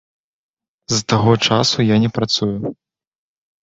З таго часу я не працую.